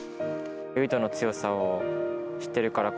唯翔の強さを知ってるからこ